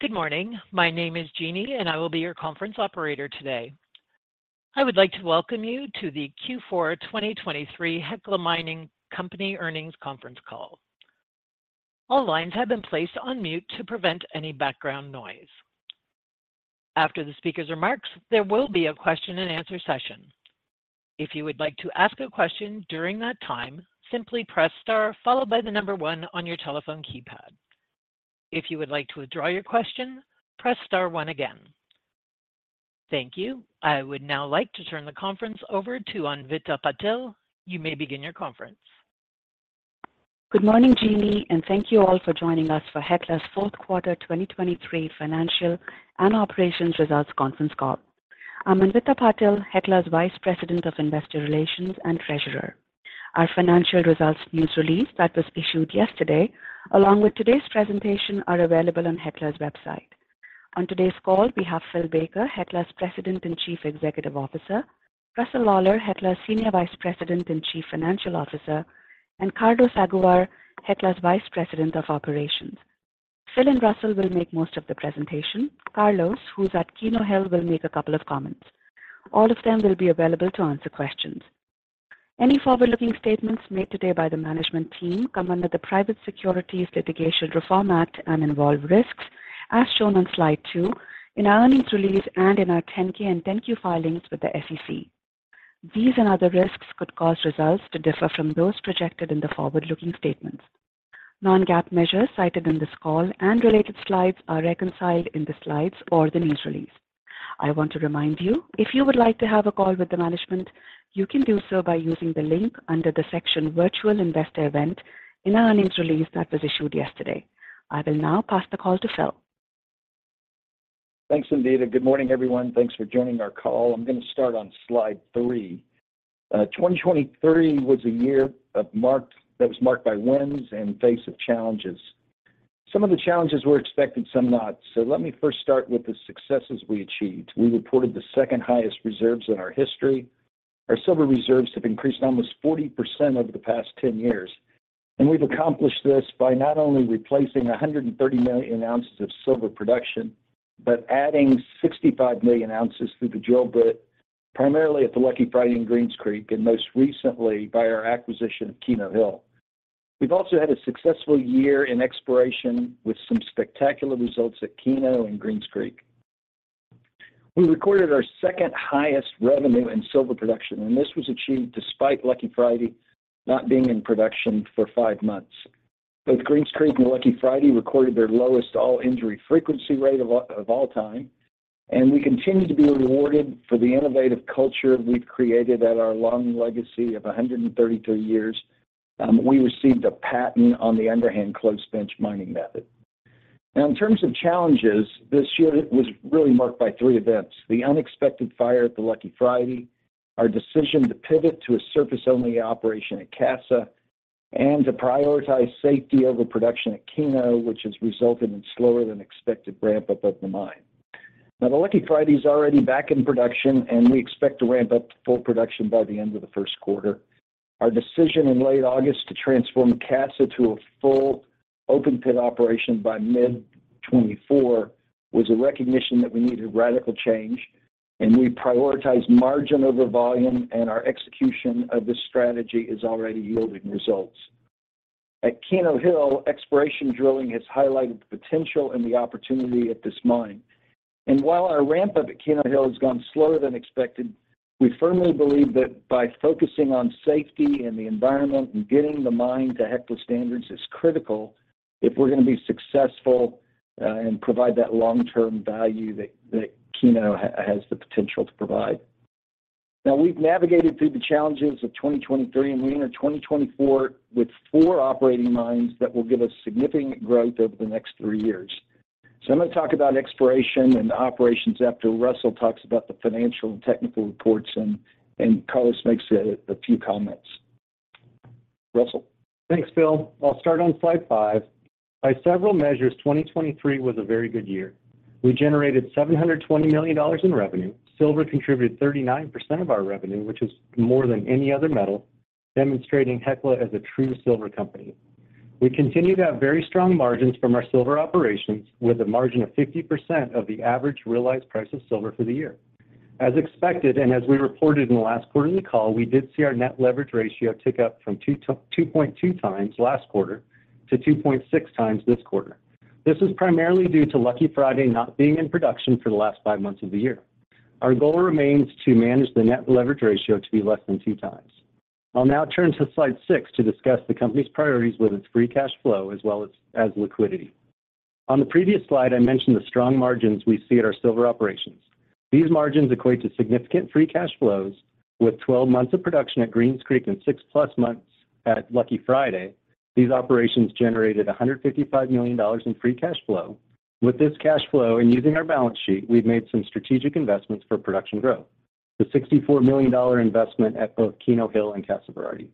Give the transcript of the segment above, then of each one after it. Good morning. My name is Jeannie, and I will be your conference operator today. I would like to welcome you to the Q4 2023 Hecla Mining Company Earnings Conference Call. All lines have been placed on mute to prevent any background noise. After the speaker's remarks, there will be a question-and-answer session. If you would like to ask a question during that time, simply press * followed by the number 1 on your telephone keypad. If you would like to withdraw your question, press * 1 again. Thank you. I would now like to turn the conference over to Anvita Patil. You may begin your conference. Good morning, Jeannie, and thank you all for joining us for Hecla's 4th Quarter 2023 Financial and Operations Results Conference Call. I'm Anvita Patil, Hecla's Vice President of Investor Relations and Treasurer. Our financial results news release that was issued yesterday, along with today's presentation, are available on Hecla's website. On today's call, we have Phil Baker, Hecla's President and Chief Executive Officer. Russell Lawlar, Hecla's Senior Vice President and Chief Financial Officer. And Carlos Aguiar, Hecla's Vice President of Operations. Phil and Russell will make most of the presentation. Carlos, who's at Keno Hill, will make a couple of comments. All of them will be available to answer questions. Any forward-looking statements made today by the management team come under the Private Securities Litigation Reform Act and involve risks, as shown on slide 2, in our earnings release and in our 10-K and 10-Q filings with the SEC. These and other risks could cause results to differ from those projected in the forward-looking statements. Non-GAAP measures cited in this call and related slides are reconciled in the slides or the news release. I want to remind you, if you would like to have a call with the management, you can do so by using the link under the section Virtual Investor Event in our earnings release that was issued yesterday. I will now pass the call to Phil. Thanks, Anvita. Good morning, everyone. Thanks for joining our call. I'm going to start on slide 3. 2023 was a year that was marked by wins in the face of challenges. Some of the challenges were expected, some not. Let me first start with the successes we achieved. We reported the second-highest reserves in our history. Our silver reserves have increased almost 40% over the past 10 years. We've accomplished this by not only replacing 130 million ounces of silver production but adding 65 million ounces through the drill bit, primarily at the Lucky Friday and Greens Creek, and most recently by our acquisition of Keno Hill. We've also had a successful year in exploration with some spectacular results at Keno and Greens Creek. We recorded our second-highest ever in silver production, and this was achieved despite Lucky Friday not being in production for five months. Both Greens Creek and Lucky Friday recorded their lowest all-injury frequency rate of all time. We continue to be rewarded for the innovative culture we've created at our long legacy of 133 years. We received a patent on the underhand closed-bench mining method. Now, in terms of challenges, this year was really marked by three events: the unexpected fire at the Lucky Friday, our decision to pivot to a surface-only operation at Casa, and to prioritize safety over production at Keno, which has resulted in slower-than-expected ramp-up of the mine. Now, the Lucky Friday is already back in production, and we expect to ramp up full production by the end of the first quarter. Our decision in late August to transform Casa to a full open-pit operation by mid-2024 was a recognition that we needed radical change. And we prioritize margin over volume, and our execution of this strategy is already yielding results. At Keno Hill, exploration drilling has highlighted the potential and the opportunity at this mine. And while our ramp-up at Keno Hill has gone slower than expected, we firmly believe that by focusing on safety and the environment and getting the mine to Hecla standards is critical if we're going to be successful and provide that long-term value that Keno has the potential to provide. Now, we've navigated through the challenges of 2023, and we enter 2024 with four operating mines that will give us significant growth over the next three years. So I'm going to talk about exploration and operations after Russell talks about the financial and technical reports, and Carlos makes a few comments. Russell. Thanks, Phil. I'll start on slide 5. By several measures, 2023 was a very good year. We generated $720 million in revenue. Silver contributed 39% of our revenue, which is more than any other metal, demonstrating Hecla as a true silver company. We continue to have very strong margins from our silver operations, with a margin of 50% of the average realized price of silver for the year. As expected and as we reported in the last quarterly call, we did see our net leverage ratio tick up from 2.2 times last quarter to 2.6 times this quarter. This was primarily due to Lucky Friday not being in production for the last five months of the year. Our goal remains to manage the net leverage ratio to be less than two times. I'll now turn to slide 6 to discuss the company's priorities with its free cash flow as well as liquidity. On the previous slide, I mentioned the strong margins we see at our silver operations. These margins equate to significant free cash flows. With 12 months of production at Greens Creek and six-plus months at Lucky Friday, these operations generated $155 million in free cash flow. With this cash flow and using our balance sheet, we've made some strategic investments for production growth: the $64 million investment at both Keno Hill and Casa Berardi.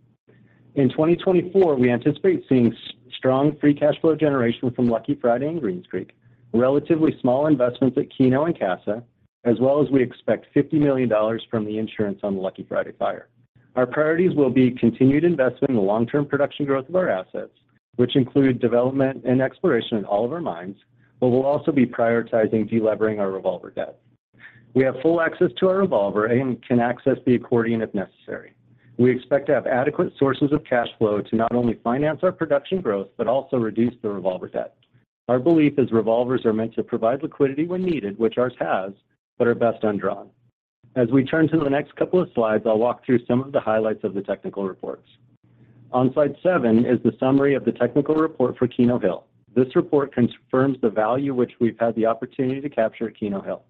In 2024, we anticipate seeing strong free cash flow generation from Lucky Friday in Greens Creek, relatively small investments at Keno and Casa, as well as we expect $50 million from the insurance on the Lucky Friday fire. Our priorities will be continued investment in the long-term production growth of our assets, which include development and exploration at all of our mines, but we'll also be prioritizing delevering our revolver debt. We have full access to our revolver and can access the accordion if necessary. We expect to have adequate sources of cash flow to not only finance our production growth but also reduce the revolver debt. Our belief is revolvers are meant to provide liquidity when needed, which ours has, but are best undrawn. As we turn to the next couple of slides, I'll walk through some of the highlights of the technical reports. On slide 7 is the summary of the technical report for Keno Hill. This report confirms the value which we've had the opportunity to capture at Keno Hill.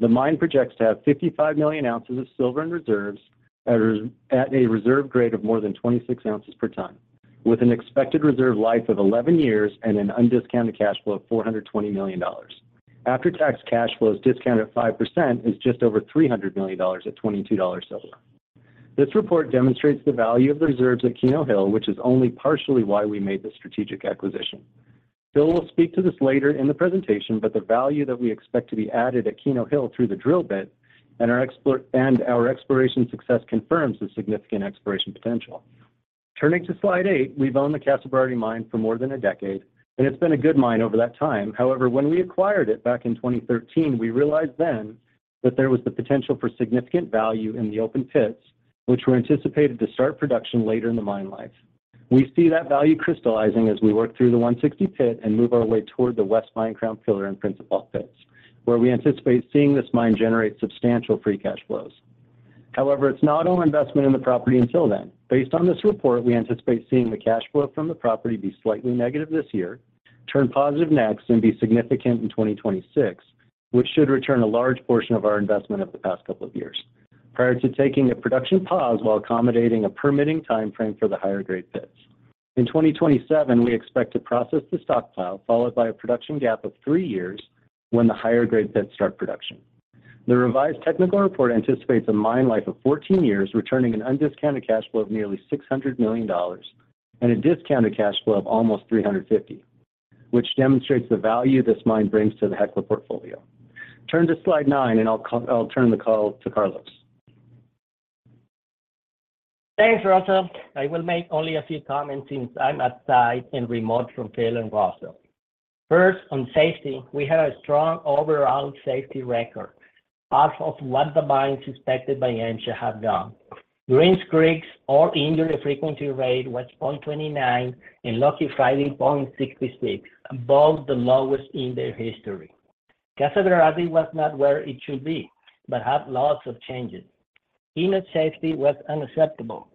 The mine projects to have 55 million ounces of silver in reserves at a reserve grade of more than 26 ounces per ton, with an expected reserve life of 11 years and an undiscounted cash flow of $420 million. After-tax cash flow is discounted at 5%, is just over $300 million at $22 silver. This report demonstrates the value of the reserves at Keno Hill, which is only partially why we made the strategic acquisition. Phil will speak to this later in the presentation, but the value that we expect to be added at Keno Hill through the drill bit and our exploration success confirms the significant exploration potential. Turning to slide 8, we've owned the Casa Berardi mine for more than a decade, and it's been a good mine over that time. However, when we acquired it back in 2013, we realized then that there was the potential for significant value in the open pits, which were anticipated to start production later in the mine life. We see that value crystallizing as we work through the 160 Pit and move our way toward the West Mine Crown Pillar and Principal Pits, where we anticipate seeing this mine generate substantial free cash flows. However, it's not all investment in the property until then. Based on this report, we anticipate seeing the cash flow from the property be slightly negative this year, turn positive next, and be significant in 2026, which should return a large portion of our investment of the past couple of years, prior to taking a production pause while accommodating a permitting time frame for the higher-grade pits. In 2027, we expect to process the stockpile, followed by a production gap of three years when the higher-grade pits start production. The revised Technical Report anticipates a mine life of 14 years, returning an undiscounted cash flow of nearly $600 million and a discounted cash flow of almost $350 million, which demonstrates the value this mine brings to the Hecla portfolio. Turn to slide 9, and I'll turn the call to Carlos. Thanks, Russell. I will make only a few comments since I'm outside and remote from Phil and Russell. First, on safety, we have a strong overall safety record. Off of what the mines inspected by MSHA have done, Greens Creek's all-injury frequency rate was 0.29 and Lucky Friday 0.66, both the lowest in their history. Casa Berardi was not where it should be but had lots of changes. Keno's safety was unacceptable.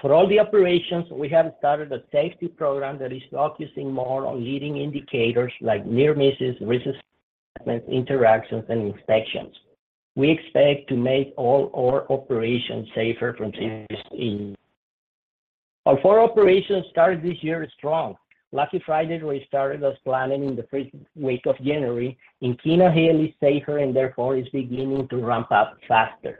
For all the operations, we have started a safety program that is focusing more on leading indicators like near-misses, risk assessments, interactions, and inspections. We expect to make all our operations safer from this year. Our four operations started this year strong. Lucky Friday, we started as planned in the first week of January. Keno Hill is safer and therefore is beginning to ramp up faster.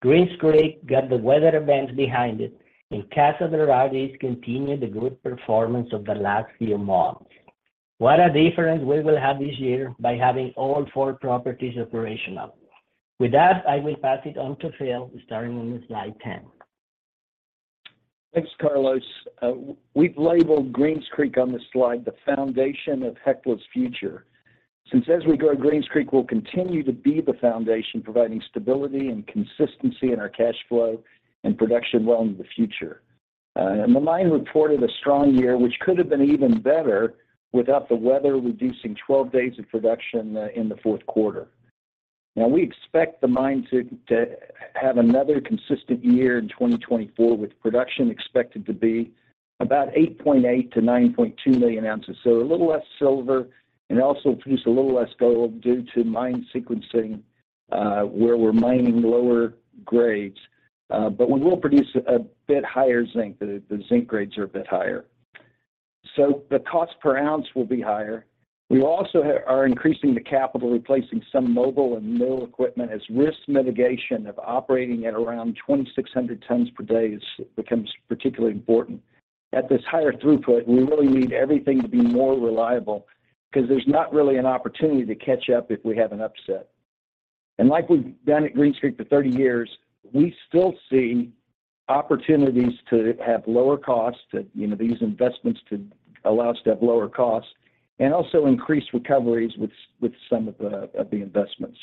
Greens Creek got the weather events behind it, and Casa Berardi continued the good performance of the last few months. What a difference we will have this year by having all four properties operational. With that, I will pass it on to Phil, starting on slide 10. Thanks, Carlos. We've labeled Greens Creek on this slide the foundation of Hecla's future, since as we grow, Greens Creek will continue to be the foundation, providing stability and consistency in our cash flow and production well into the future. And the mine reported a strong year, which could have been even better without the weather reducing 12 days of production in the fourth quarter. Now, we expect the mine to have another consistent year in 2024, with production expected to be about 8.8-9.2 million ounces, so a little less silver and also produce a little less gold due to mine sequencing, where we're mining lower grades. But we will produce a bit higher zinc. The zinc grades are a bit higher. So the cost per ounce will be higher. We also are increasing the capital, replacing some mobile and mill equipment, as risk mitigation of operating at around 2,600 tons per day becomes particularly important. At this higher throughput, we really need everything to be more reliable because there's not really an opportunity to catch up if we have an upset. And like we've done at Greens Creek for 30 years, we still see opportunities to have lower costs, these investments to allow us to have lower costs, and also increase recoveries with some of the investments.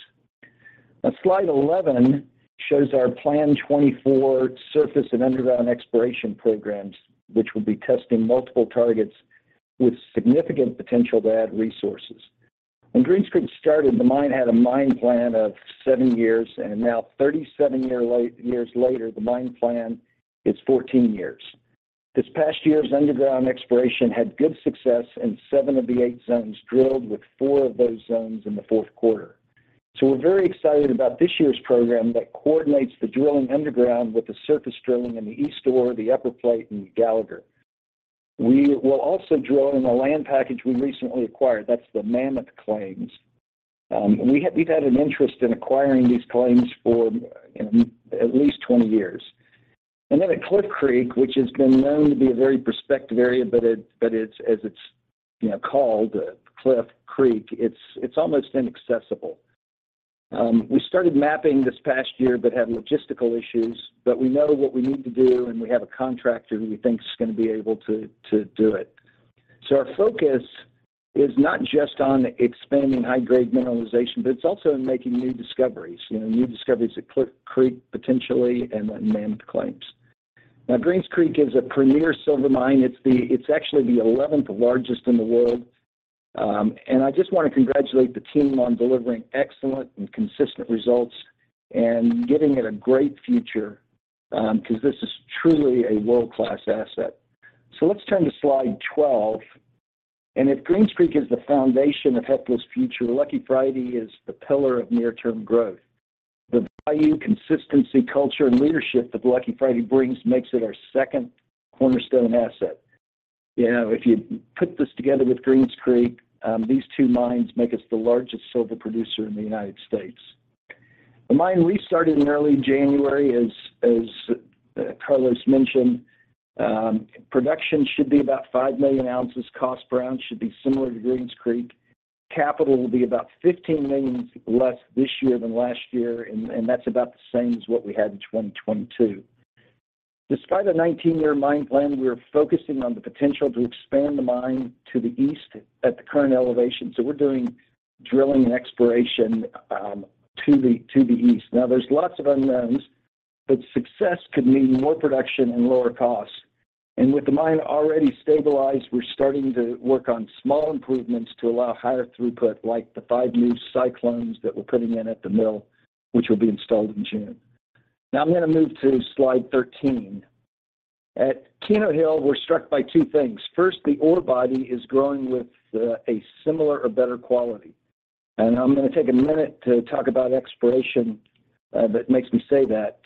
Slide 11 shows our planned 2024 surface and underground exploration programs, which will be testing multiple targets with significant potential to add resources. When Greens Creek started, the mine had a mine plan of 7 years. And now, 37 years later, the mine plan is 14 years. This past year's underground exploration had good success in seven of the eight zones drilled, with four of those zones in the fourth quarter. So we're very excited about this year's program that coordinates the drilling underground with the surface drilling in the East Ore, the Upper Plate, and Gallagher. We will also drill in the land package we recently acquired. That's the Mammoth Claims. We've had an interest in acquiring these claims for at least 20 years. And then at Cliff Creek, which has been known to be a very prospective area, but as it's called, Cliff Creek, it's almost inaccessible. We started mapping this past year but had logistical issues. But we know what we need to do, and we have a contractor who we think is going to be able to do it. Our focus is not just on expanding high-grade mineralization, but it's also in making new discoveries, new discoveries at Cliff Creek potentially and Mammoth Claims. Now, Greens Creek is a premier silver mine. It's actually the 11th largest in the world. I just want to congratulate the team on delivering excellent and consistent results and giving it a great future because this is truly a world-class asset. Let's turn to slide 12. If Greens Creek is the foundation of Hecla's future, Lucky Friday is the pillar of near-term growth. The value, consistency, culture, and leadership that Lucky Friday brings makes it our second cornerstone asset. If you put this together with Greens Creek, these two mines make us the largest silver producer in the United States. The mine restarted in early January. As Carlos mentioned, production should be about 5 million ounces. Cost per ounce should be similar to Greens Creek. Capital will be about $15 million less this year than last year, and that's about the same as what we had in 2022. Despite a 19-year mine plan, we are focusing on the potential to expand the mine to the east at the current elevation. So we're doing drilling and exploration to the east. Now, there's lots of unknowns, but success could mean more production and lower costs. And with the mine already stabilized, we're starting to work on small improvements to allow higher throughput, like the 5 new cyclones that we're putting in at the mill, which will be installed in June. Now, I'm going to move to slide 13. At Keno Hill, we're struck by two things. First, the ore body is growing with a similar or better quality. I'm going to take a minute to talk about exploration that makes me say that.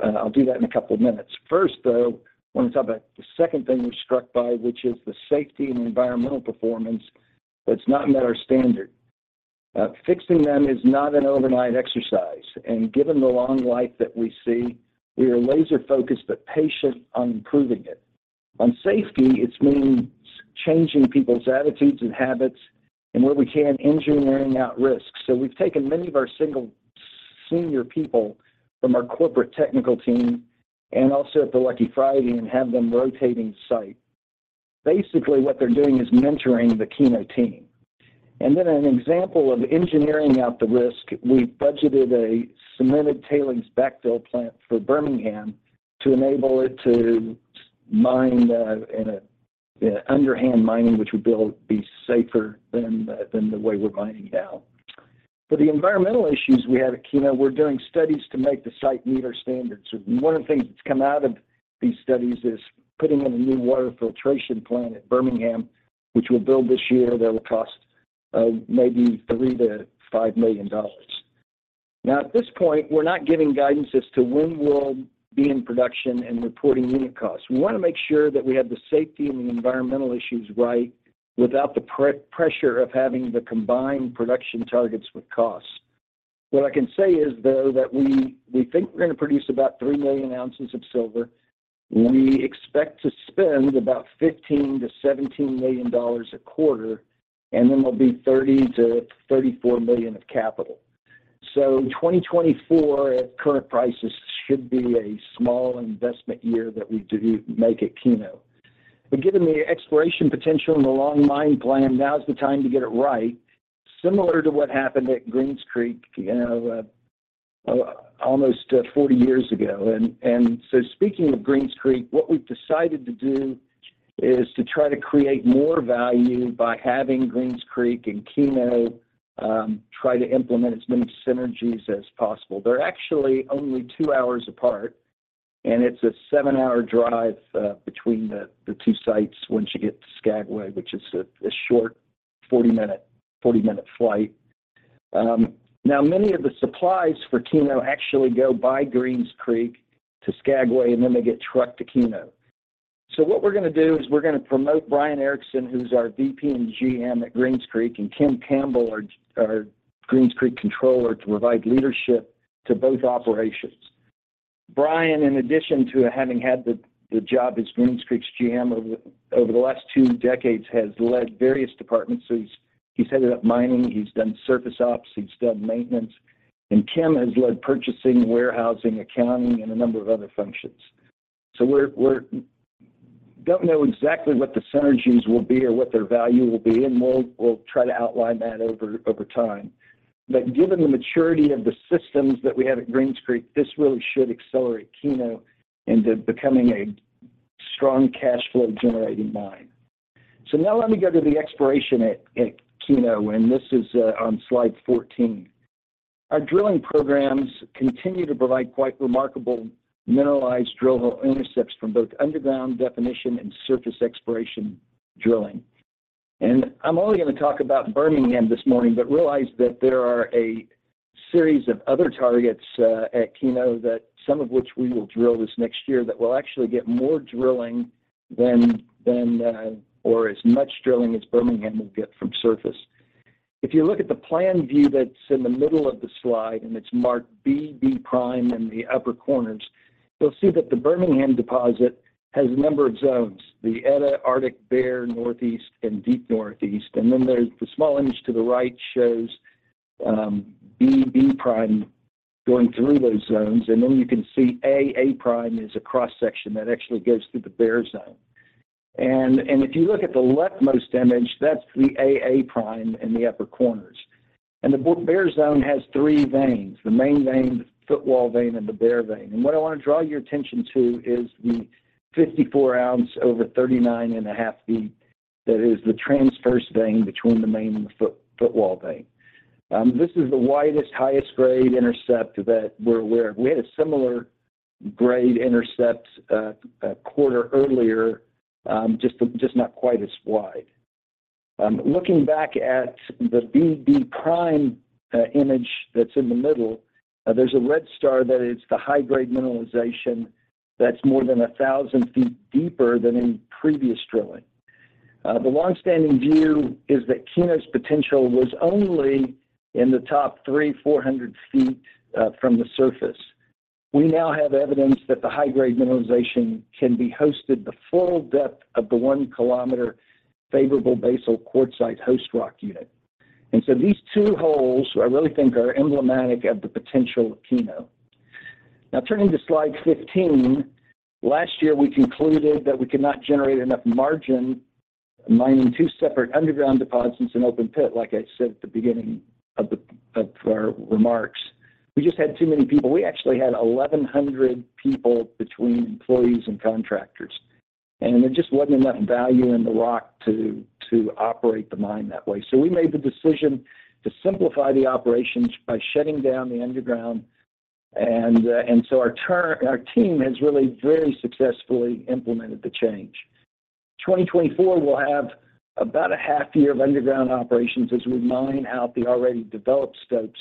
I'll do that in a couple of minutes. First, though, I want to talk about the second thing we're struck by, which is the safety and environmental performance that's not met our standard. Fixing them is not an overnight exercise. Given the long life that we see, we are laser-focused but patient on improving it. On safety, it means changing people's attitudes and habits and, where we can, engineering out risks. So we've taken many of our senior people from our corporate technical team and also at the Lucky Friday and have them rotating site. Basically, what they're doing is mentoring the Keno team. And then an example of engineering out the risk, we've budgeted a cemented tailings backfill plant for Bermingham to enable it to mine underhand mining, which would be safer than the way we're mining now. For the environmental issues we have at Keno, we're doing studies to make the site meet our standards. One of the things that's come out of these studies is putting in a new water filtration plant at Bermingham, which we'll build this year. That will cost maybe $3-$5 million. Now, at this point, we're not giving guidance as to when we'll be in production and reporting unit costs. We want to make sure that we have the safety and the environmental issues right without the pressure of having the combined production targets with costs. What I can say is, though, that we think we're going to produce about 3 million ounces of silver. We expect to spend about $15-$17 million a quarter, and then there'll be $30-$34 million of capital. So 2024, at current prices, should be a small investment year that we do make at Keno. But given the exploration potential in the long mine plan, now is the time to get it right, similar to what happened at Greens Creek almost 40 years ago. And so speaking of Greens Creek, what we've decided to do is to try to create more value by having Greens Creek and Keno try to implement as many synergies as possible. They're actually only 2 hours apart, and it's a 7-hour drive between the two sites once you get to Skagway, which is a short 40-minute flight. Now, many of the supplies for Keno actually go by Greens Creek to Skagway, and then they get trucked to Keno. So what we're going to do is we're going to promote Brian Erickson, who's our VP and GM at Greens Creek, and Kim Campbell, our Greens Creek controller, to provide leadership to both operations. Brian, in addition to having had the job as Greens Creek's GM over the last two decades, has led various departments. So he's headed up mining. He's done surface ops. He's done maintenance. And Kim has led purchasing, warehousing, accounting, and a number of other functions. So we don't know exactly what the synergies will be or what their value will be, and we'll try to outline that over time. But given the maturity of the systems that we have at Greens Creek, this really should accelerate Keno into becoming a strong cash flow-generating mine. So now let me go to the exploration at Keno, and this is on slide 14. Our drilling programs continue to provide quite remarkable mineralized drill hole intercepts from both underground definition and surface exploration drilling. And I'm only going to talk about Bermingham this morning but realize that there are a series of other targets at Keno, some of which we will drill this next year, that will actually get more drilling or as much drilling as Bermingham will get from surface. If you look at the plan view that's in the middle of the slide, and it's marked B, B prime, in the upper corners, you'll see that the Bermingham deposit has a number of zones: the Etta, Arctic, Bear, Northeast, and Deep Northeast. And then the small image to the right shows B, B prime going through those zones. And then you can see A, A prime is a cross-section that actually goes through the Bear zone. If you look at the leftmost image, that's the A, A prime in the upper corners. The Bear Zone has three veins: the main vein, the footwall vein, and the Bear vein. What I want to draw your attention to is the 54 ounces over 39.5 feet that is the transverse vein between the main and the footwall vein. This is the widest, highest-grade intercept that we're aware of. We had a similar-grade intercept a quarter earlier, just not quite as wide. Looking back at the B, B prime image that's in the middle, there's a red star that is the high-grade mineralization that's more than 1,000 feet deeper than in previous drilling. The longstanding view is that Keno's potential was only in the top 3,400 feet from the surface. We now have evidence that the high-grade mineralization can be hosted the full depth of the 1-kilometer favorable Basal Quartzite host rock unit. And so these two holes I really think are emblematic of the potential of Keno. Now, turning to Slide 15, last year, we concluded that we could not generate enough margin mining two separate underground deposits in open pit, like I said at the beginning of our remarks. We just had too many people. We actually had 1,100 people between employees and contractors. And there just wasn't enough value in the rock to operate the mine that way. So we made the decision to simplify the operations by shutting down the underground. And so our team has really very successfully implemented the change. 2024 will have about a half year of underground operations as we mine out the already developed stopes.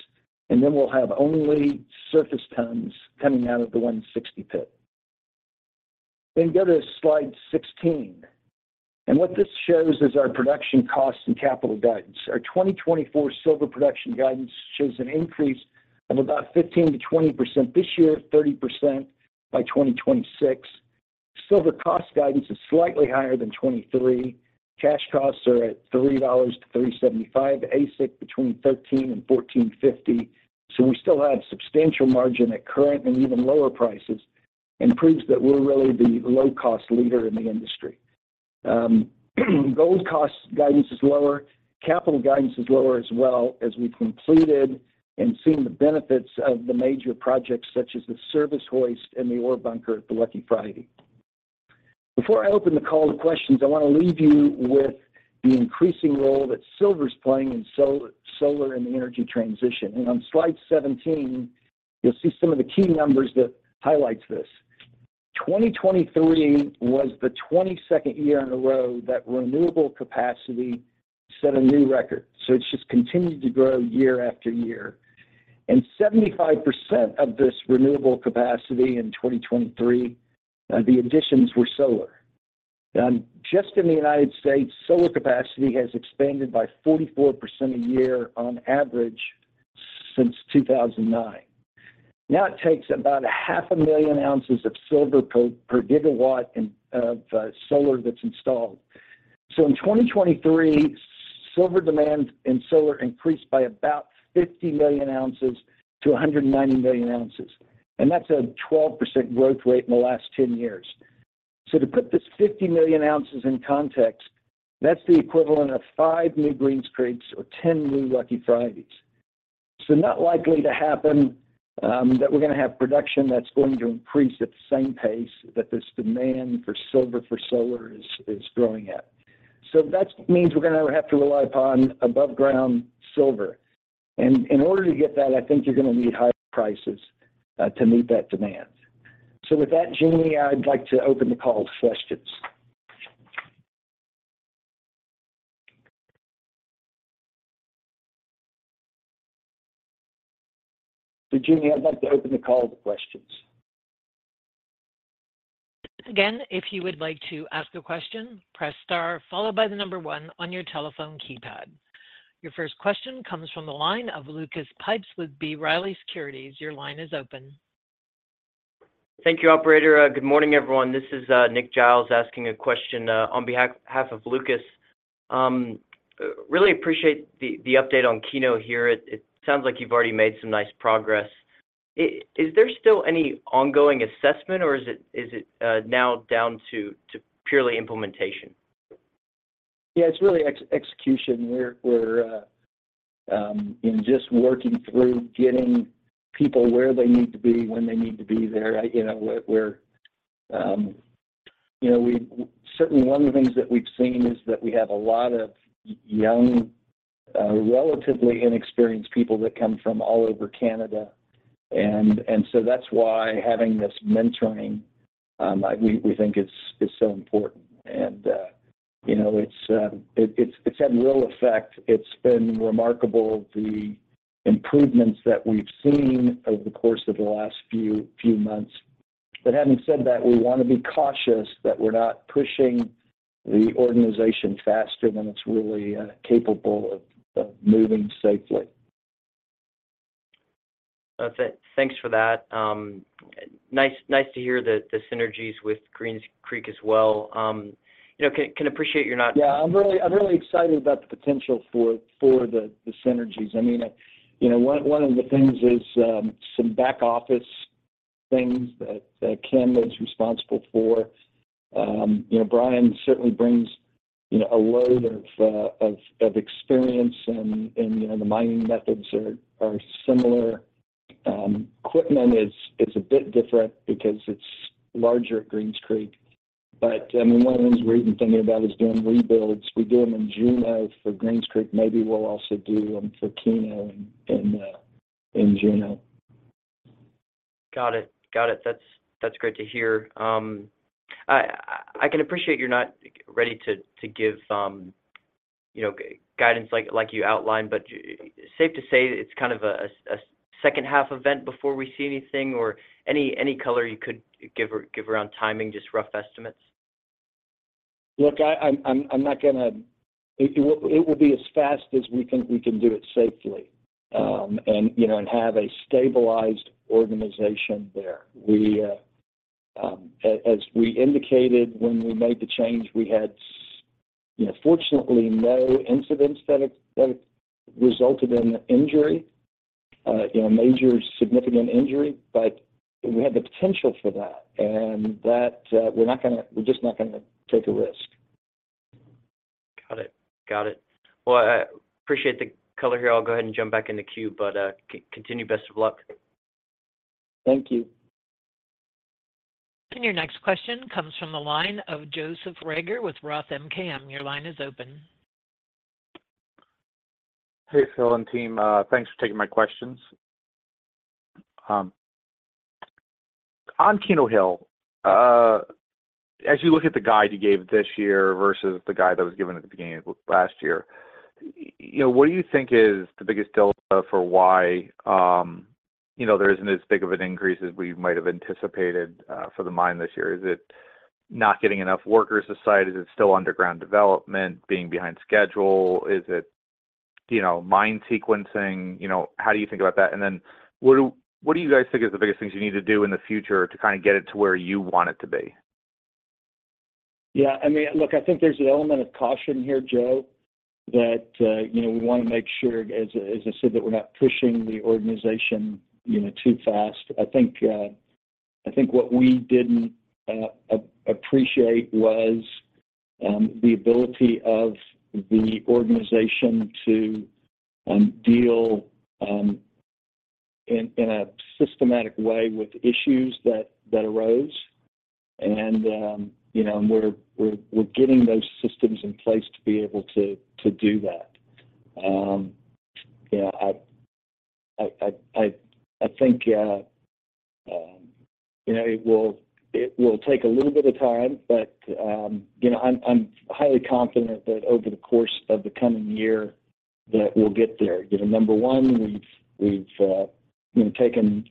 Then we'll have only surface tons coming out of the 160 Pit. Then go to slide 16. What this shows is our production costs and capital guidance. Our 2024 silver production guidance shows an increase of about 15%-20% this year, 30% by 2026. Silver cost guidance is slightly higher than 2023. Cash costs are at $3-$3.75, AISC between $13-$14.50. So we still have substantial margin at current and even lower prices and proves that we're really the low-cost leader in the industry. Gold cost guidance is lower. Capital guidance is lower as well, as we've completed and seen the benefits of the major projects such as the service hoist and the ore bunker at the Lucky Friday. Before I open the call to questions, I want to leave you with the increasing role that silver is playing in solar and the energy transition. And on slide 17, you'll see some of the key numbers that highlight this. 2023 was the 22nd year in a row that renewable capacity set a new record. So it's just continued to grow year after year. And 75% of this renewable capacity in 2023, the additions were solar. Just in the United States, solar capacity has expanded by 44% a year on average since 2009. Now, it takes about 500,000 ounces of silver per gigawatt of solar that's installed. So in 2023, silver demand in solar increased by about 50 million ounces to 190 million ounces. And that's a 12% growth rate in the last 10 years. So, to put this 50 million ounces in context, that's the equivalent of five new Greens Creeks or 10 new Lucky Fridays. So, not likely to happen that we're going to have production that's going to increase at the same pace that this demand for silver for solar is growing at. So, that means we're going to have to rely upon above-ground silver. And in order to get that, I think you're going to need higher prices to meet that demand. So, with that, Jeannie, I'd like to open the call to questions. So, Jeannie, I'd like to open the call to questions. Again, if you would like to ask a question, press star followed by the number 1 on your telephone keypad. Your first question comes from the line of Lucas Pipes with B. Riley Securities. Your line is open. Thank you, operator. Good morning, everyone. This is Nick Giles asking a question on behalf of Lucas. Really appreciate the update on Keno here. It sounds like you've already made some nice progress. Is there still any ongoing assessment, or is it now down to purely implementation? Yeah, it's really execution. We're just working through getting people where they need to be when they need to be there. Certainly, one of the things that we've seen is that we have a lot of young, relatively inexperienced people that come from all over Canada. And so that's why having this mentoring, we think, is so important. And it's had real effect. It's been remarkable, the improvements that we've seen over the course of the last few months. But having said that, we want to be cautious that we're not pushing the organization faster than it's really capable of moving safely. That's it. Thanks for that. Nice to hear the synergies with Greens Creek as well. Can appreciate you're not. Yeah, I'm really excited about the potential for the synergies. I mean, one of the things is some back-office things that Kim is responsible for. Brian certainly brings a load of experience, and the mining methods are similar. Equipment is a bit different because it's larger at Greens Creek. But I mean, one of the things we're even thinking about is doing rebuilds. We do them in Juneau for Greens Creek. Maybe we'll also do them for Keno in Juneau. Got it. Got it. That's great to hear. I can appreciate you're not ready to give guidance like you outlined. But safe to say it's kind of a second-half event before we see anything or any color you could give around timing, just rough estimates? Look, I'm not going to it. It will be as fast as we think we can do it safely and have a stabilized organization there. As we indicated when we made the change, we had, fortunately, no incidents that resulted in injury, major significant injury. But we had the potential for that, and we're just not going to take a risk. Got it. Got it. Well, I appreciate the color here. I'll go ahead and jump back in the queue, but continue best of luck. Thank you. Your next question comes from the line of Joseph Reagor with Roth MKM. Your line is open. Hey, Phil and team. Thanks for taking my questions. On Keno Hill, as you look at the guide you gave this year versus the guide that was given at the beginning of last year, what do you think is the biggest dilemma for why there isn't as big of an increase as we might have anticipated for the mine this year? Is it not getting enough workers aside? Is it still underground development being behind schedule? Is it mine sequencing? How do you think about that? And then what do you guys think are the biggest things you need to do in the future to kind of get it to where you want it to be? Yeah. I mean, look, I think there's an element of caution here, Joe, that we want to make sure, as I said, that we're not pushing the organization too fast. I think what we didn't appreciate was the ability of the organization to deal in a systematic way with issues that arose. And we're getting those systems in place to be able to do that. Yeah, I think it will take a little bit of time, but I'm highly confident that over the course of the coming year, that we'll get there. Number one, we've taken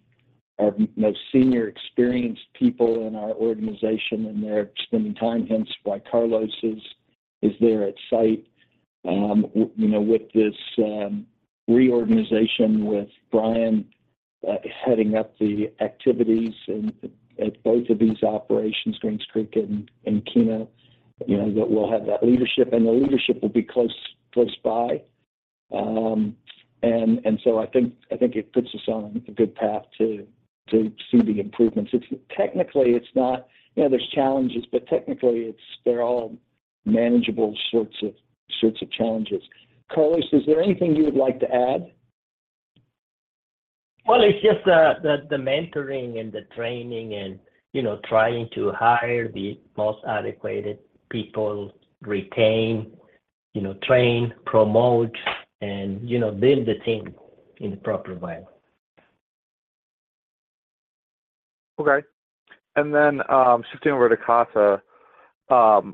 our most senior, experienced people in our organization, and they're spending time. Hence, why Carlos is there at site with this reorganization, with Brian heading up the activities at both of these operations, Greens Creek and Keno, that we'll have that leadership. And the leadership will be close by. So I think it puts us on a good path to see the improvements. Technically, it's not. There's challenges, but technically, they're all manageable sorts of challenges. Carlos, is there anything you would like to add? Well, it's just the mentoring and the training and trying to hire the most adequate people, retain, train, promote, and build the team in the proper way. Okay. And then shifting over to Casa,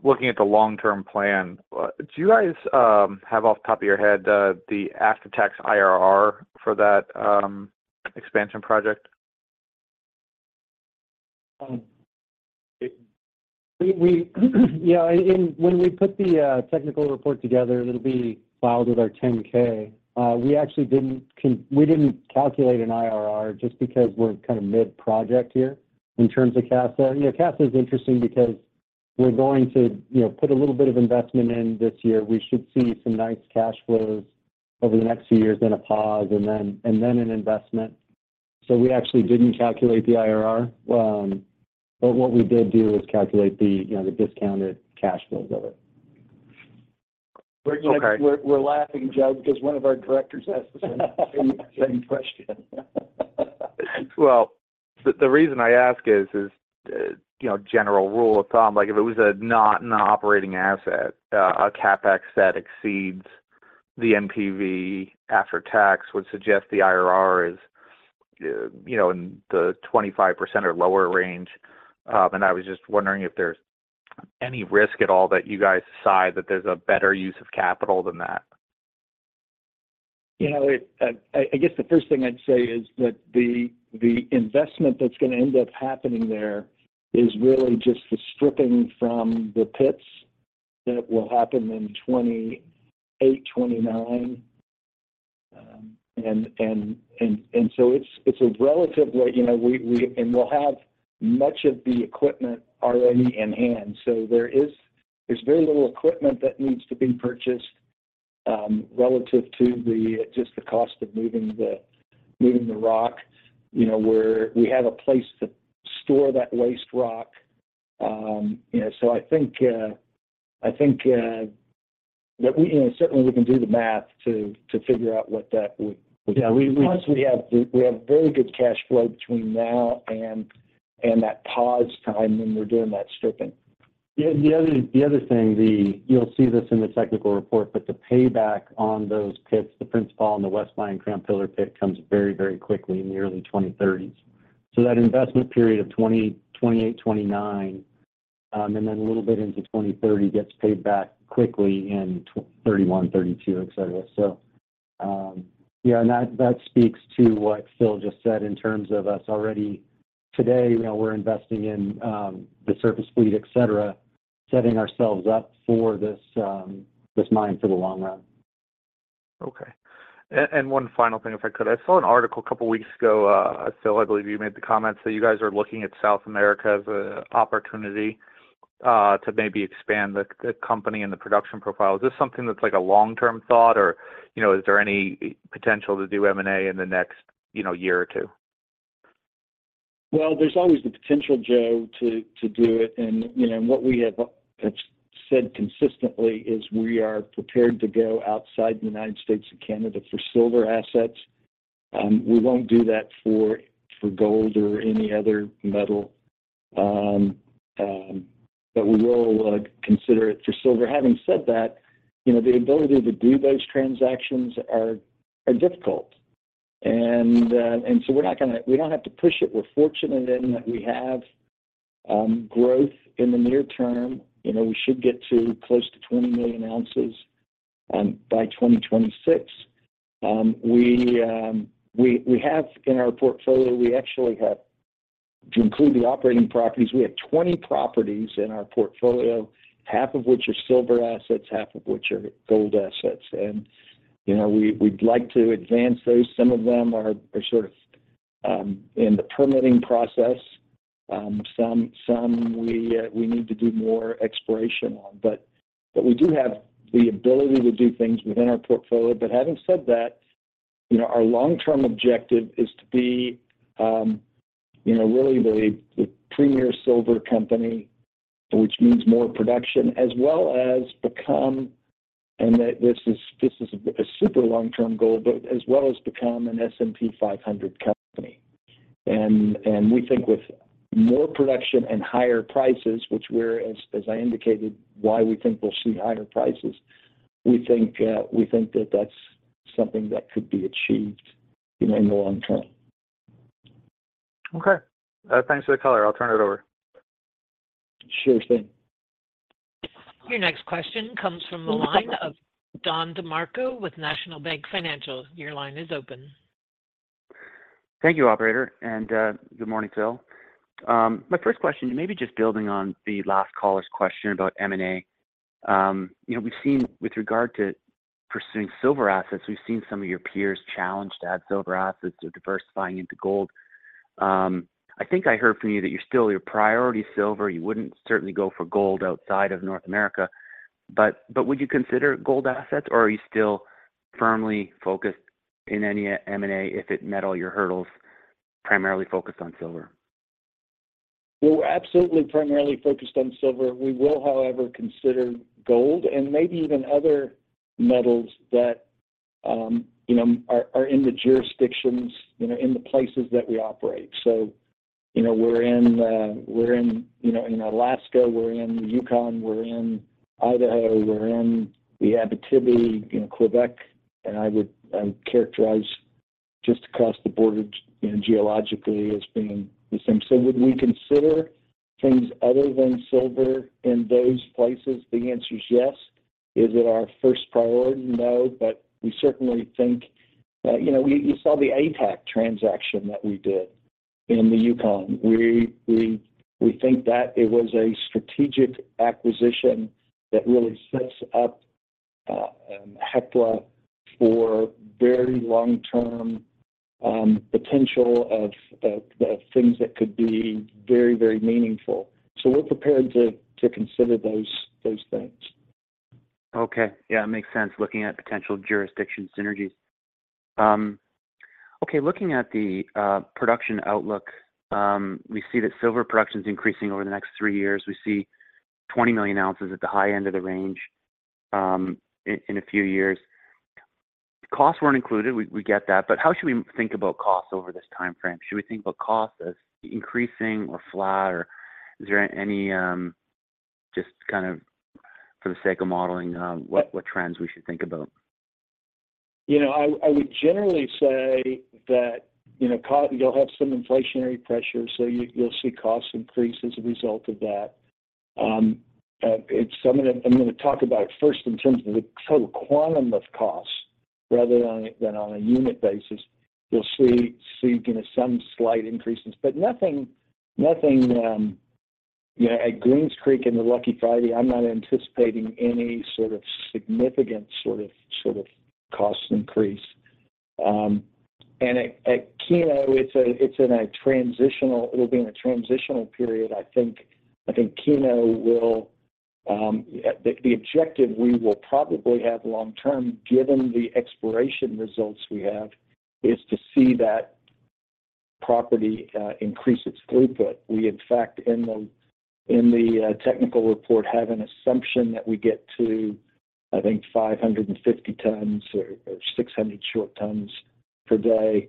looking at the long-term plan, do you guys have, off the top of your head, the after-tax IRR for that expansion project? Yeah. When we put the technical report together, it'll be filed with our 10-K. We actually didn't calculate an IRR just because we're kind of mid-project here in terms of Casa. Casa is interesting because we're going to put a little bit of investment in this year. We should see some nice cash flows over the next few years, then a pause, and then an investment. So we actually didn't calculate the IRR. But what we did do is calculate the discounted cash flows of it. We're laughing, Joe, because one of our directors asked the same question. Well, the reason I ask is a general rule of thumb. If it was not an operating asset, a CapEx that exceeds the NPV after-tax would suggest the IRR is in the 25% or lower range. I was just wondering if there's any risk at all that you guys decide that there's a better use of capital than that. I guess the first thing I'd say is that the investment that's going to end up happening there is really just the stripping from the pits that will happen in 2028, 2029. So it's a relatively and we'll have much of the equipment already in hand. So there's very little equipment that needs to be purchased relative to just the cost of moving the rock. We have a place to store that waste rock. So I think that we certainly, we can do the math to figure out what that would once we have very good cash flow between now and that pause time when we're doing that stripping. Yeah. And the other thing, you'll see this in the technical report, but the payback on those pits, the Principal Pit and the West Mine Crown Pillar Pit, comes very, very quickly, nearly 2030s. So that investment period of 2028, 2029 and then a little bit into 2030 gets paid back quickly in 2031, 2032, etc. So yeah, and that speaks to what Phil just said in terms of us already today, we're investing in the surface fleet, etc., setting ourselves up for this mine for the long run. Okay. And one final thing, if I could. I saw an article a couple of weeks ago. Phil, I believe you made the comment that you guys are looking at South America as an opportunity to maybe expand the company and the production profile. Is this something that's a long-term thought, or is there any potential to do M&A in the next year or two? Well, there's always the potential, Joe, to do it. And what we have said consistently is we are prepared to go outside the United States and Canada for silver assets. We won't do that for gold or any other metal, but we will consider it for silver. Having said that, the ability to do those transactions are difficult. And so we're not going to, we don't have to push it. We're fortunate in that we have growth in the near term. We should get to close to 20 million ounces by 2026. We have in our portfolio, we actually have to include the operating properties. We have 20 properties in our portfolio, half of which are silver assets, half of which are gold assets. And we'd like to advance those. Some of them are sort of in the permitting process. Some we need to do more exploration on. But we do have the ability to do things within our portfolio. But having said that, our long-term objective is to be really the premier silver company, which means more production, as well as become and this is a super long-term goal, but as well as become an S&P 500 company. And we think with more production and higher prices, which were, as I indicated, why we think we'll see higher prices, we think that that's something that could be achieved in the long term. Okay. Thanks for the color. I'll turn it over. Sure thing. Your next question comes from the line of Don DeMarco with National Bank Financial. Your line is open. Thank you, operator, and good morning, Phil. My first question, maybe just building on the last caller's question about M&A, we've seen with regard to pursuing silver assets, we've seen some of your peers challenged to add silver assets or diversifying into gold. I think I heard from you that you're still your priority silver. You wouldn't certainly go for gold outside of North America. But would you consider gold assets, or are you still firmly focused in any M&A, if it met all your hurdles, primarily focused on silver? We're absolutely primarily focused on silver. We will, however, consider gold and maybe even other metals that are in the jurisdictions, in the places that we operate. So we're in Alaska. We're in Yukon. We're in Idaho. We're in the Abitibi, Quebec. And I would characterize just across the border geologically as being the same. So would we consider things other than silver in those places? The answer is yes. Is it our first priority? No, but we certainly think you saw the ATAC transaction that we did in the Yukon. We think that it was a strategic acquisition that really sets up Hecla for very long-term potential of things that could be very, very meaningful. So we're prepared to consider those things. Okay. Yeah, it makes sense, looking at potential jurisdiction synergies. Okay. Looking at the production outlook, we see that silver production is increasing over the next three years. We see 20 million ounces at the high end of the range in a few years. Costs weren't included. We get that. But how should we think about costs over this timeframe? Should we think about costs as increasing or flat, or is there any just kind of for the sake of modeling, what trends we should think about? I would generally say that you'll have some inflationary pressure, so you'll see costs increase as a result of that. I'm going to talk about it first in terms of the total quantum of costs rather than on a unit basis. You'll see some slight increases, but nothing at Greens Creek and the Lucky Friday. I'm not anticipating any sort of significant sort of cost increase. And at Keno, it's in a transitional it'll be in a transitional period. I think Keno will the objective we will probably have long-term, given the exploration results we have, is to see that property increase its throughput. We, in fact, in the technical report, have an assumption that we get to, I think, 550 tons or 600 short tons per day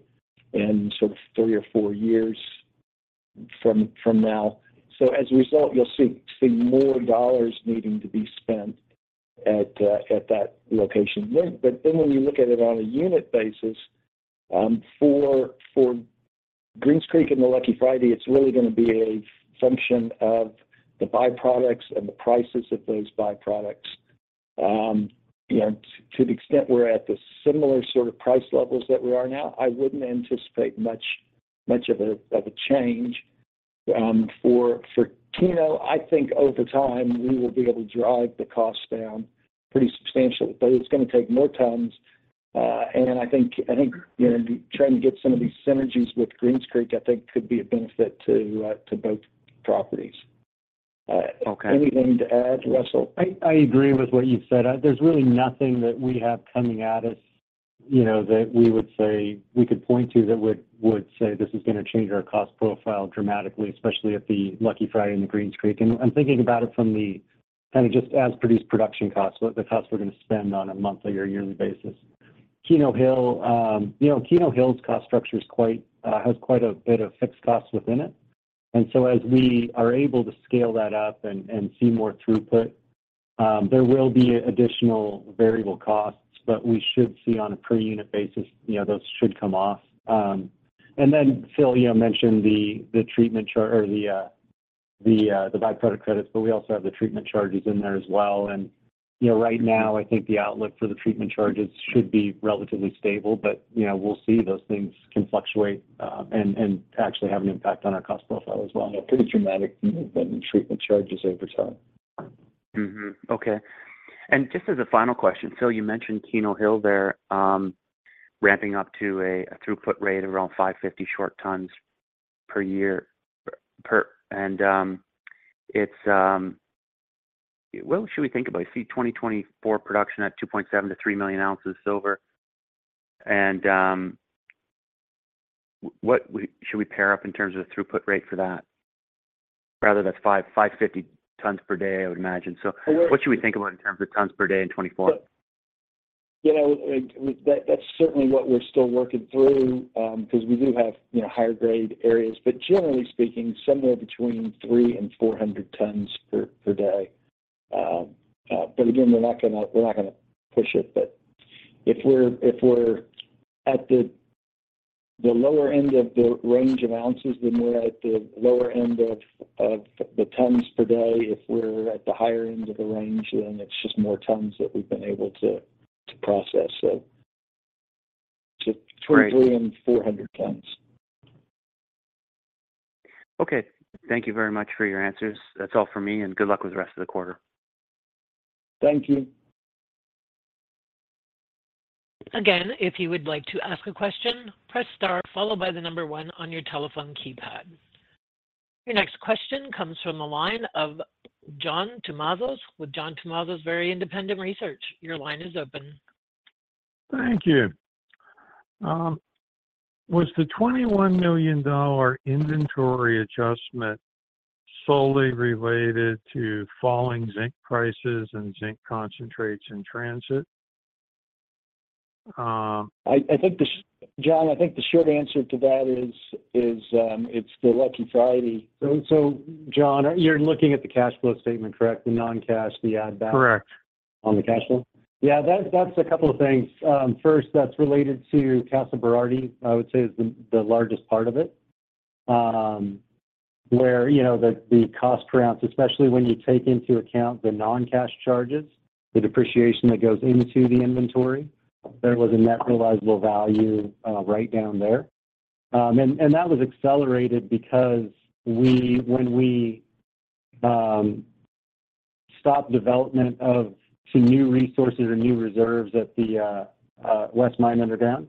in sort of three or four years from now. So as a result, you'll see more dollars needing to be spent at that location. But then when you look at it on a unit basis, for Greens Creek and the Lucky Friday, it's really going to be a function of the byproducts and the prices of those byproducts. To the extent we're at the similar sort of price levels that we are now, I wouldn't anticipate much of a change. For Keno, I think over time, we will be able to drive the costs down pretty substantially, but it's going to take more tons. And I think trying to get some of these synergies with Greens Creek, I think, could be a benefit to both properties. Anything to add, Russell? I agree with what you've said. There's really nothing that we have coming at us that we would say we could point to that would say, "This is going to change our cost profile dramatically," especially at the Lucky Friday in the Greens Creek. And I'm thinking about it from the kind of just as-produced production costs, the costs we're going to spend on a monthly or yearly basis. Keno Hill's cost structure has quite a bit of fixed costs within it. And so as we are able to scale that up and see more throughput, there will be additional variable costs, but we should see on a per-unit basis, those should come off. And then Phil mentioned the treatment or the byproduct credits, but we also have the treatment charges in there as well. Right now, I think the outlook for the treatment charges should be relatively stable, but we'll see, those things can fluctuate and actually have an impact on our cost profile as well. Yeah, pretty dramatic to move them in Treatment Charges over time. Okay. And just as a final question, Phil, you mentioned Keno Hill there ramping up to a throughput rate of around 550 short tons per year. And what should we think about? You see 2024 production at 2.7-3 million ounces silver. And should we pair up in terms of the throughput rate for that? Rather, that's 550 tons per day, I would imagine. So what should we think about in terms of tons per day in 2024? That's certainly what we're still working through because we do have higher-grade areas. But generally speaking, somewhere between 3 and 400 tons per day. But again, we're not going to push it. But if we're at the lower end of the range of ounces, then we're at the lower end of the tons per day. If we're at the higher end of the range, then it's just more tons that we've been able to process, so between 3 and 400 tons. Okay. Thank you very much for your answers. That's all from me, and good luck with the rest of the quarter. Thank you. Again, if you would like to ask a question, press star, followed by the number 1 on your telephone keypad. Your next question comes from the line of John Tumazos with John Tumazos Very Independent Research. Your line is open. Thank you. Was the $21 million inventory adjustment solely related to falling zinc prices and zinc concentrates in transit? John, I think the short answer to that is it's the Lucky Friday. So John, you're looking at the cash flow statement, correct? The non-cash, the add-back. Correct. On the cash flow? Yeah, that's a couple of things. First, that's related to Casa Berardi, I would say, is the largest part of it, where the cost per ounce, especially when you take into account the non-cash charges, the depreciation that goes into the inventory, there was a net realizable value write-down there. And that was accelerated because when we stopped development of some new resources or new reserves at the West Mine Underground,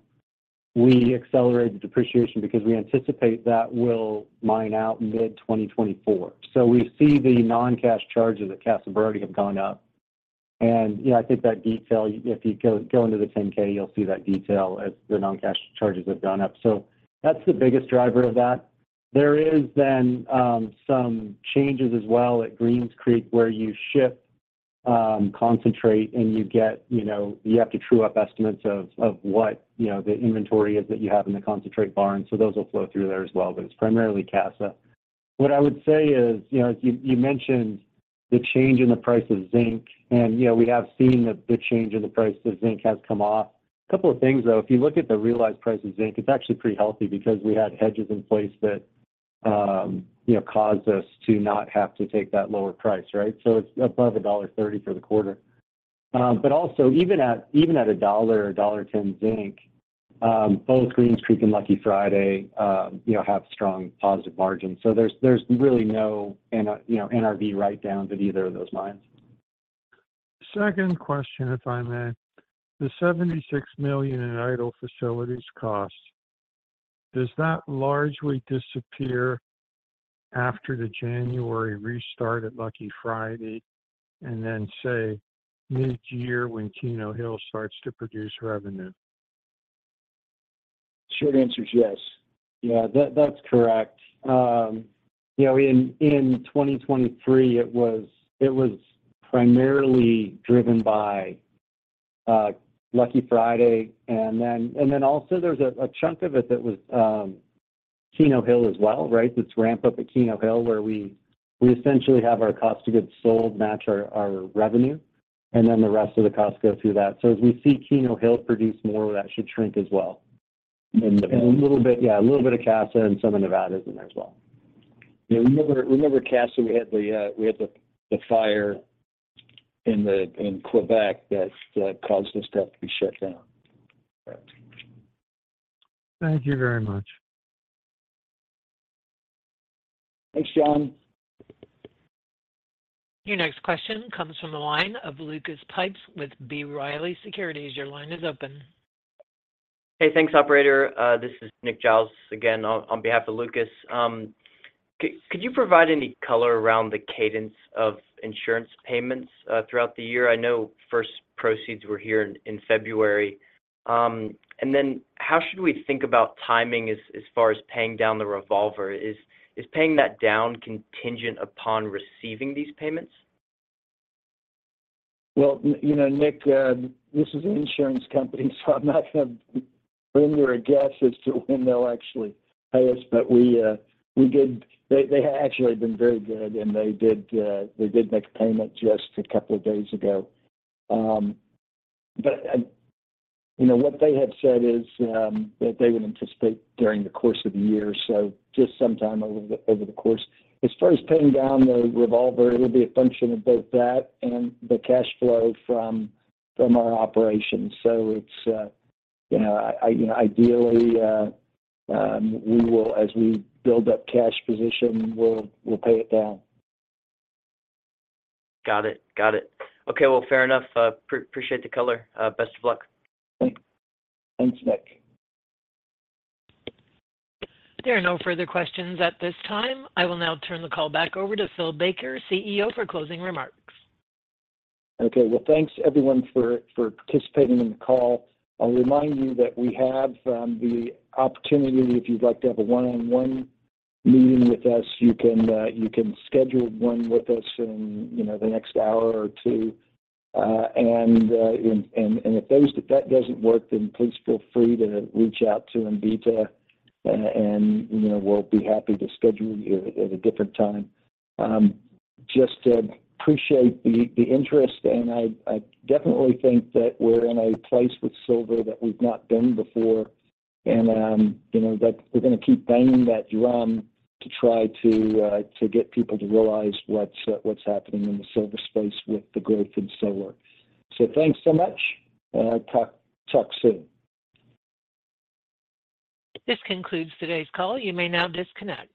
we accelerated depreciation because we anticipate that will mine out mid-2024. So we see the non-cash charges at Casa Berardi have gone up. And I think that detail if you go into the 10-K, you'll see that detail as the non-cash charges have gone up. So that's the biggest driver of that. There is then some changes as well at Greens Creek where you ship concentrate, and you have to true up estimates of what the inventory is that you have in the concentrate barn. So those will flow through there as well, but it's primarily Casa. What I would say is you mentioned the change in the price of zinc, and we have seen the change in the price of zinc has come off. A couple of things, though. If you look at the realized price of zinc, it's actually pretty healthy because we had hedges in place that caused us to not have to take that lower price, right? So it's above $1.30 for the quarter. But also, even at $1 or $1.10 zinc, both Greens Creek and Lucky Friday have strong positive margins. So there's really no NRV write-downs at either of those mines. Second question, if I may. The $76 million in idle facilities cost, does that largely disappear after the January restart at Lucky Friday and then, say, mid-year when Keno Hill starts to produce revenue? Short answer is yes. Yeah, that's correct. In 2023, it was primarily driven by Lucky Friday. And then also, there's a chunk of it that was Keno Hill as well, right, that's ramped up at Keno Hill where we essentially have our cost of goods sold match our revenue, and then the rest of the costs go through that. So as we see Keno Hill produce more, that should shrink as well. And a little bit yeah, a little bit of Casa and some of Nevada is in there as well. Yeah, remember Casa, we had the fire in Quebec that caused this to have to be shut down. Thank you very much. Thanks, John. Your next question comes from the line of Lucas Pipes with B. Riley Securities, your line is open. Hey, thanks, operator. This is Nick Giles again on behalf of Lucas. Could you provide any color around the cadence of insurance payments throughout the year? I know first proceeds were here in February. Then how should we think about timing as far as paying down the revolver? Is paying that down contingent upon receiving these payments? Well, Nick, this is an insurance company, so I'm not going to render a guess as to when they'll actually pay us. But they actually have been very good, and they did make a payment just a couple of days ago. But what they have said is that they would anticipate during the course of the year, so just sometime over the course. As far as paying down the revolver, it'll be a function of both that and the cash flow from our operations. So ideally, as we build up cash position, we'll pay it down. Got it. Got it. Okay. Well, fair enough. Appreciate the color. Best of luck. Thanks. Thanks, Nick. There are no further questions at this time. I will now turn the call back over to Phil Baker, CEO, for closing remarks. Okay. Well, thanks, everyone, for participating in the call. I'll remind you that we have the opportunity, if you'd like to have a one-on-one meeting with us, you can schedule one with us in the next hour or two. And if that doesn't work, then please feel free to reach out to Anvita, and we'll be happy to schedule you at a different time. Just appreciate the interest, and I definitely think that we're in a place with silver that we've not been before, and that we're going to keep banging that drum to try to get people to realize what's happening in the silver space with the growth in solar. So thanks so much, and I'll talk soon. This concludes today's call. You may now disconnect.